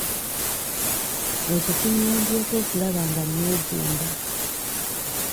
Ekyo kinnyambyeko okulaba nga neezimba.